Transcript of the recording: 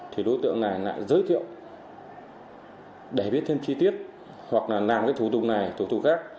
thì đối tượng này lại giới thiệu để biết thêm chi tiết hoặc là làm cái thủ tục này thủ tục khác